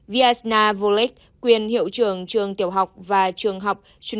viasna volek quyền hiệu trưởng trường tiểu học và trường phát sinh